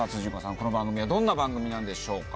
この番組はどんな番組なんでしょうか？